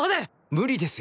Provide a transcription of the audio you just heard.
無理ですよ。